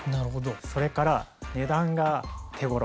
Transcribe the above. それから値段が手頃。